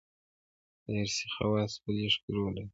دارثي خواصو په لېږد کې رول لري.